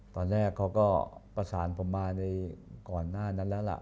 ตอนแรกเขาก็ประสานผมมาในก่อนหน้านั้นแล้วล่ะ